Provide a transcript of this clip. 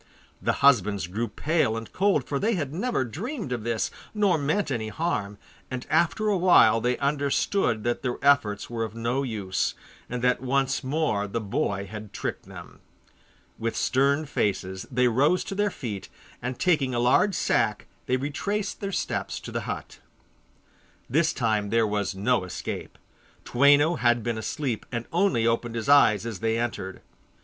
The husbands grew pale and cold, for they had never dreamed of this, nor meant any harm, and after a while they understood that their efforts were of no use, and that once more the boy had tricked them. With stern faces they rose to their feet, and taking a large sack they retraced their steps to the hut. This time there was no escape. Toueno had been asleep, and only opened his eyes as they entered.